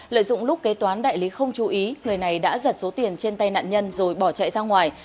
lợi dụng lúc kế toán đại lý không chú ý người này đã giật số tiền trên tay nạn nhân rồi bỏ chạy ra ngoài